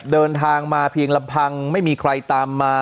เดินทางมาเพียงลำพังไม่มีใครตามมา